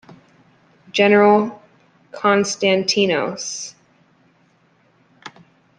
General Konstantinos Th.